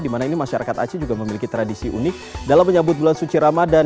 dimana ini masyarakat aceh juga memiliki tradisi unik dalam menyambut bulan suci ramadan